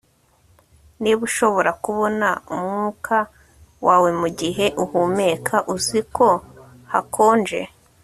Niba ushobora kubona umwuka wawe mugihe uhumeka uziko hakonje